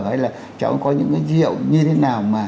hay là cháu có những dấu hiệu như thế nào